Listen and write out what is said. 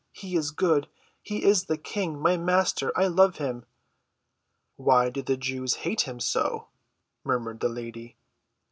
He is good. He is the King—my Master. I love him." "Why do the Jews hate him so?" murmured the lady.